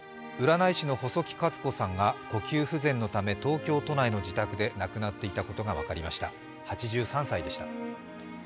占い師の細木数子さんが呼吸不全のため東京都内の自宅で亡くなっていたことが分かりました、８３歳でした。